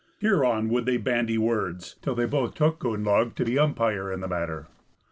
Hereon would they bandy words, till they both took Gunnlaug to be umpire in the matter.